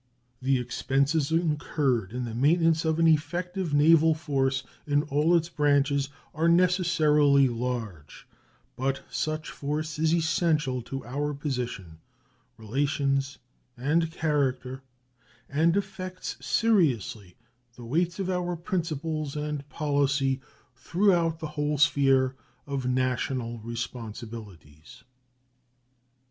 The expenses incurred in the maintenance of an effective naval force in all its branches are necessarily large, but such force is essential to our position, relations, and character, and affects seriously the weight of our principles and policy throughout the whole sphere of national responsibilities.